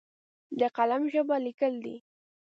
د قلم ژبه لیکل دي!